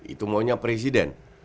itu maunya presiden